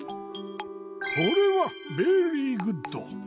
これはベリーグッド！